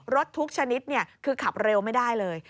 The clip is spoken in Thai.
ทุกชนิดคือขับเร็วไม่ได้เลย